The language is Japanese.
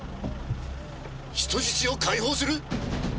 人質を解放する！？